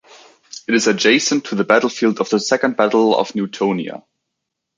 It is adjacent to the battlefield of the Second Battle of Newtonia.